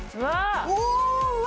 うわ！